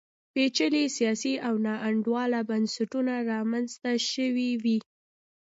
پېچلي سیاسي او ناانډوله بنسټونه رامنځته شوي وي.